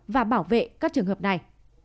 và bảo vệ các trường hợp này